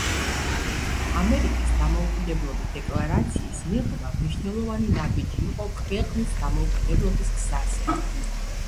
ამერიკის დამოუკიდებლობის დეკლარაციის მიღება მნიშვნელოვანი ნაბიჯი იყო ქვეყნის დამოუკიდებლობის გზაზე